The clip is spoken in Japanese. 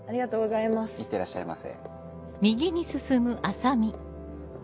いってらっしゃいませ。